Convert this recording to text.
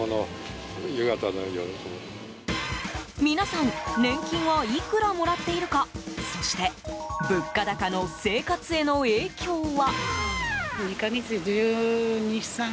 皆さん、年金はいくらもらっているかそして物価高の生活への影響は？